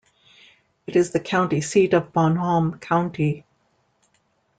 It is the county seat of Bon Homme County.